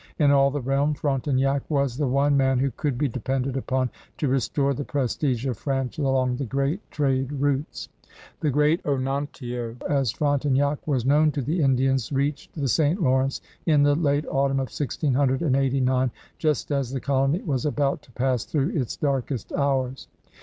In all the realm Frontenac was the one man who could be depended upon to restore the prestige of France along the great trade routes. The Great Onontio, as Frontenac was known to the Indians, reach^ the St. Lawrence in the late autumn of 1689, just as the colony was about to pass through its darkest hours.